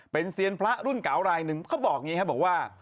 เป็นเซียนพระรุ่นเก๋ารายหนึ่งบอกว่า